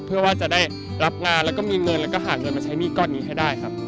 เพื่อว่าจะได้รับงานแล้วก็มีเงินแล้วก็หาเงินมาใช้หนี้ก้อนนี้ให้ได้ครับ